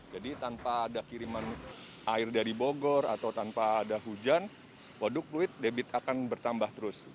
jadi tanpa ada kiriman air dari bogor atau tanpa ada hujan waduk fluid debit akan bertambah terus